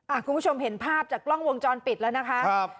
คุณผู้ชมเห็นภาพจากกล้องวงจรปิดแล้วนะคะครับ